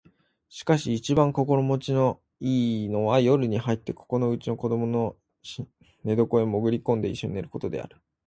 しかし一番心持ちの好いのは夜に入ってここのうちの子供の寝床へもぐり込んで一緒に寝る事である